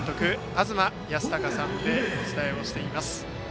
東賢孝さんでお伝えしています。